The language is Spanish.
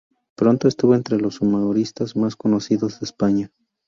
Pronto estuvo entre los humoristas más conocidos de España.